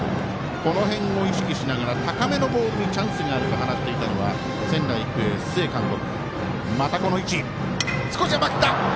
この辺を意識しながら高めのボールにチャンスがあると話していたのは仙台育英、須江監督。